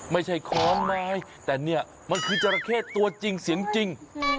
ไม่ใช่คล้องไม้แต่เนี่ยมันคือจราเข้ตัวจริงเสียงจริง